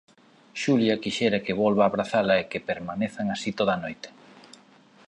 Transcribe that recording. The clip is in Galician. Xulia quixera que volva abrazala e que permanezan así toda a noite.